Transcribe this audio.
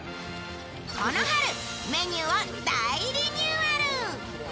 この春メニューを大リニューアル。